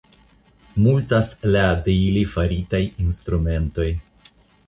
Multas la de ili faritaj instrumentoj.